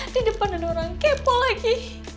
di depan ada orang kepo lagi